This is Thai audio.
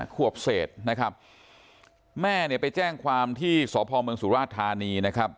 ขวบเศษนะครับแม่ไปแจ้งความที่สพสุราธารณีนะครับ